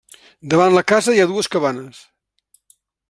Davant la casa hi ha dues cabanes.